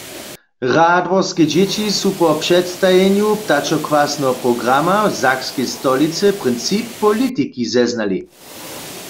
Radworske dźěći su po předstajenju ptačokwasneho programa w sakskej stolicy princip politiki zeznali.